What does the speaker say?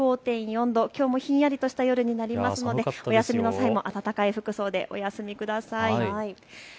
きょうもひんやりとした夜になりますのでお休みの際は暖かい服装でお休みください。